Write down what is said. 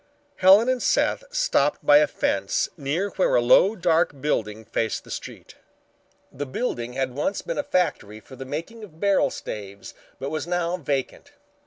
Helen and Seth stopped by a fence near where a low dark building faced the street. The building had once been a factory for the making of barrel staves but was now vacant.